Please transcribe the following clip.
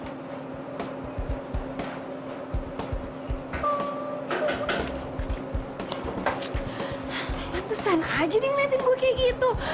matesan aja nih ngeliatin gue kayak gitu